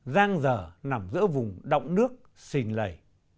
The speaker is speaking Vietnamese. giang dở nằm giữa vùng đọng nước xình lầy